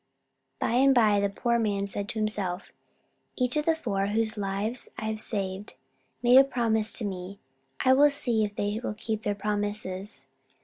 By and by the poor man said to himself: "Each of the four whose lives I saved made a promise to me. I will see if they will keep their promises."